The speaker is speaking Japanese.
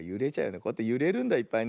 こうやってゆれるんだいっぱいね。